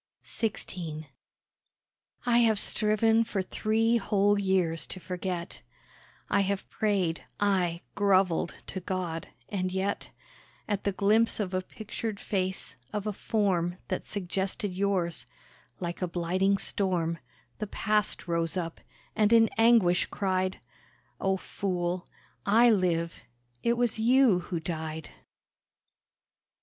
XVI I have striven for three whole years to forget; I have prayed, ay, grovelled to God; and yet At the glimpse of a pictured face, of a form That suggested yours—like a blighting storm The Past rose up, and in anguish cried, "Oh, fool! I live, it was You who died."